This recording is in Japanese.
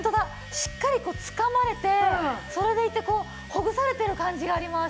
しっかりつかまれてそれでいてほぐされてる感じがあります。